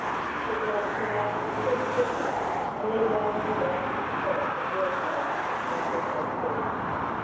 She poured tea out of a tin teapot and leaned over her master's chair at meal times to carve the salt beef.